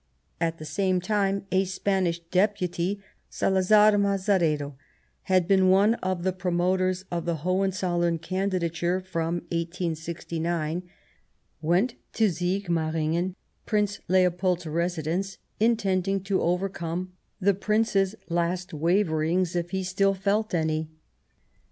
At the same time, a Spanish Deputy, Salazar Mazzaredo, who had been one of the promoters of the Hohen zollern candidature from 1869, went to Sigmaringen, Prince Leopold's residence, intending to overcome the Prince's last waverings, if he still felt any.